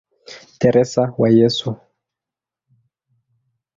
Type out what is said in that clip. Teresa wa Yesu".